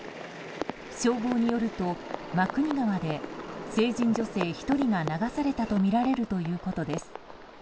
消防によると真国川で成人女性１人が流されたとみられるということです。